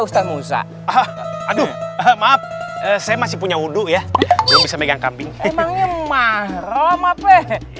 ada musa ah aduh maaf saya masih punya wudhu ya bisa megang kambing emangnya marah mape